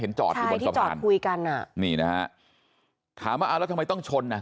จอดอยู่บนสะพานคุยกันอ่ะนี่นะฮะถามว่าอ่าแล้วทำไมต้องชนอ่ะ